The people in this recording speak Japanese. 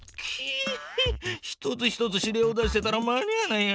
一つ一つ指令を出してたら間に合わないや。